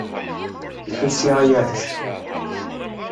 Lḥut sya ay arrac!